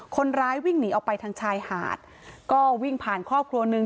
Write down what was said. คนร้ายวิ่งหนีออกไปทางชายหาดก็วิ่งผ่านครอบครัวหนึ่ง